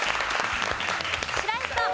白石さん。